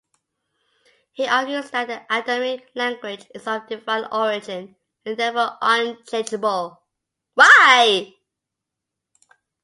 He argues that the Adamic language is of divine origin and therefore unchangeable.